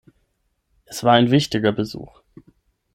Es war ein wichtiger Besuch.